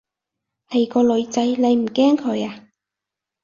係個女仔，你唔驚佢啊？